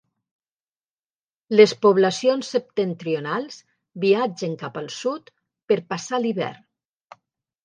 Les poblacions septentrionals viatgen cap al sud per passar l'hivern.